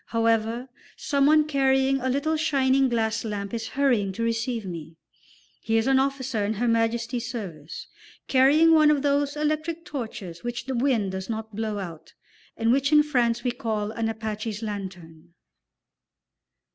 However, someone carrying a little shining glass lamp is hurrying to receive me; he is an officer in Her Majesty's service, carrying one of those electric torches which the wind does not blow out, and which in France we call an Apache's lantern.